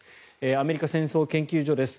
アメリカ戦争研究所です。